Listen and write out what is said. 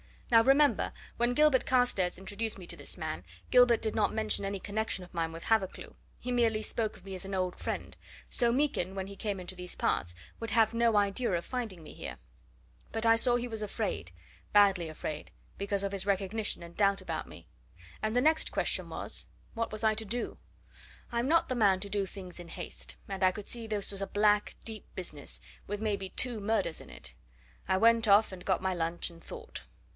Now remember, when Gilbert Carstairs introduced me to this man, Gilbert did not mention any connection of mine with Hathercleugh he merely spoke of me as an old friend; so Meekin, when he came into these parts, would have no idea of finding me here. But I saw he was afraid badly afraid because of his recognition and doubt about me. And the next question was what was I to do? I'm not the man to do things in haste, and I could see this was a black, deep business, with maybe two murders in it. I went off and got my lunch and thought.